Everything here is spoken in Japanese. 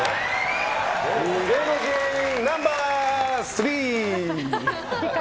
芸能人ナンバー３。